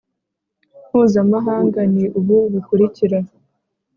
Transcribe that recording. mpuzamahanga ni ubu bukurikira